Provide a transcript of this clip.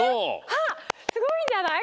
あっすごいんじゃない？